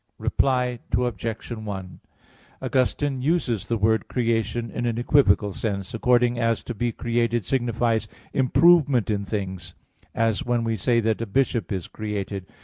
Reply Obj. 1: Augustine uses the word creation in an equivocal sense, according as to be created signifies improvement in things; as when we say that a bishop is created.